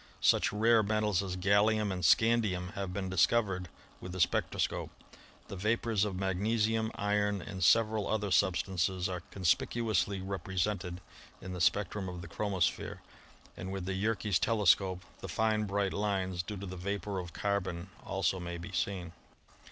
Such rare metals as gallium and scandium have been discovered with the spectroscope. The vapors of magnesium, iron and several other substances are conspicuously represented in the spectrum of the chromosphere, and with the Yerkes telescope the fine bright lines due to the vapor of carbon also may be seen.